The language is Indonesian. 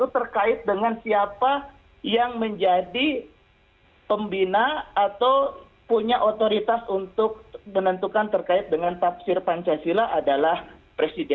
terkait dengan siapa yang menjadi pembina atau punya otoritas untuk menentukan terkait dengan tafsir pancasila adalah presiden